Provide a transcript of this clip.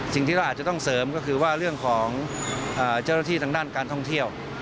สิ่งที่เราอาจจะต้องเสริมก็คือว่าเรื่องของเจ้าหน้าที่ทางด้านการท่องเที่ยว